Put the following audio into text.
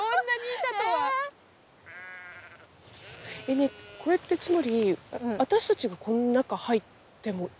ねねっこれってつまり私たちがこの中入ってもいいの？